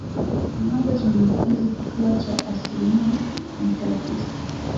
Kiwango cha maambukizi kikiwa cha asilimia nukta tisa